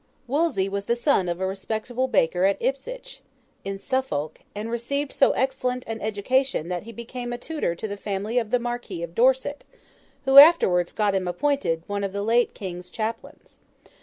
Wolsey was the son of a respectable butcher at Ipswich, in Suffolk and received so excellent an education that he became a tutor to the family of the Marquis of Dorset, who afterwards got him appointed one of the late King's chaplains.